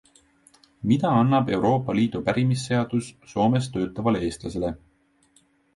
Mida annab Euroopa Liidu pärimisseadus Soomes töötavale eestlasele?